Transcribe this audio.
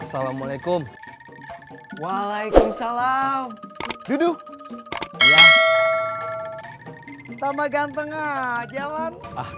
assalamu'alaikum waalaikumsalam duduk